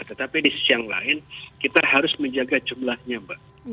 tetapi di sisi yang lain kita harus menjaga jumlahnya mbak